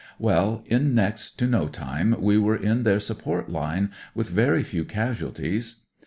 "Well, in next to no time we were in their support line with very few casual ties.